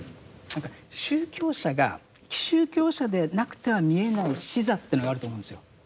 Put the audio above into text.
何か宗教者が宗教者でなくては見えない視座というのがあると思うんですよ。